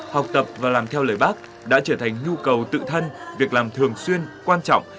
học tập và làm theo lời bác đã trở thành nhu cầu tự thân việc làm thường xuyên quan trọng